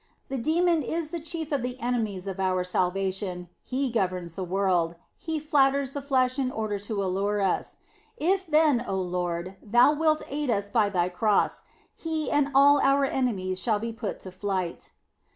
The demon is the chief of the enemies of our salvation ; he governs the world, he flatters the flesh in order to allure us. If then, O Lord, thou wilt aid us by thy Cross, he and all our enemies shall be put to flight."